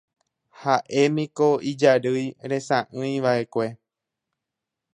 Ha'émiko ijarýi resa'ỹiva'ekue